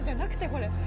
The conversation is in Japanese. これ。